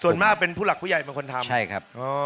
ส่วนมากเป็นผู้หลักผู้ใหญ่คนทำ